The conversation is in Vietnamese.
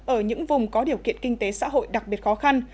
ở những vùng có điều kiện kinh tế xã hội đặc biệt khó khăn